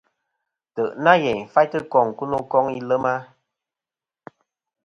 Ntè' nâ yèyn faytɨ koŋ kɨ no koŋ ilema.